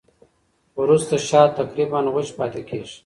وروسته شات تقریباً وچ پاتې کېږي.